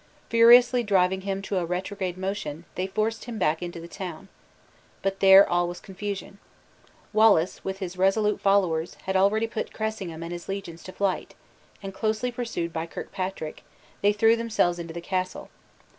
Furiously driving him to a retrograde motion, they forced him back into the town. But there all was confusion. Wallace, with his resolute followers, had already put Cressingham and his legions to flight; and, closely pursued by Kirkpatrick, they threw themselves into the castle.